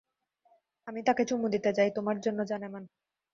আমি তাকে চুমু দিতে চাই, তোমার জন্য, জানেমান।